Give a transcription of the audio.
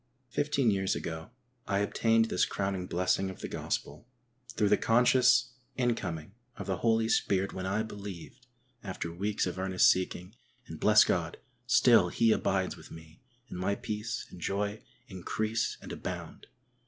Fifteen years ago I obtained this crowning blessing of the gospel through the conscious incoming of the Holy Spirit when I believed, after weeks of earnest seeking, and. bless God ! still He abides with me and my peace and joy increase and abound.